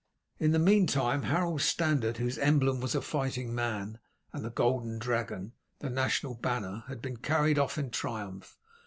In the meantime Harold's standard, whose emblem was a fighting man, and the golden dragon, the national banner, had been carried off in triumph.